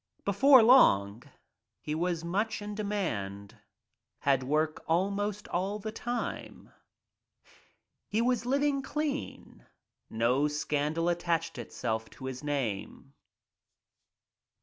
Before long he was much in demand — had work almost all the time. He was living clean. No scandal attached itself to his name.